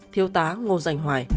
thiêu tá ngô giành hoài